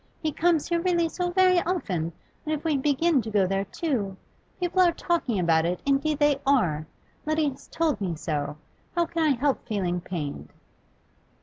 He comes here really so very often, and if we begin to go there too . People are talking about it, indeed they are; Letty has told me so. How can I help feeling pained?